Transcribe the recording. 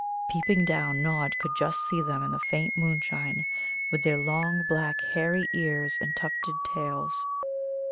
Peeping down, Nod could just see them in the faint moonshine, with their long, black, hairy ears and tufted tails.